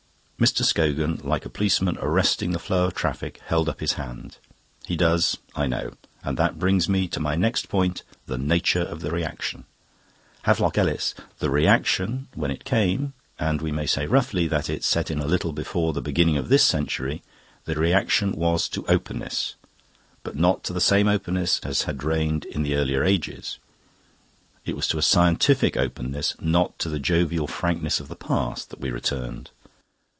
Mr. Scogan, like a policeman arresting the flow of traffic, held up his hand. "He does; I know. And that brings me to my next point: the nature of the reaction." "Havelock Ellis..." "The reaction, when it came and we may say roughly that it set in a little before the beginning of this century the reaction was to openness, but not to the same openness as had reigned in the earlier ages. It was to a scientific openness, not to the jovial frankness of the past, that we returned.